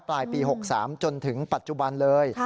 ปลายปี๖๓จนถึงปัจจุบันเลย